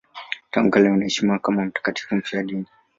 Tangu kale wanaheshimiwa kama mtakatifu mfiadini.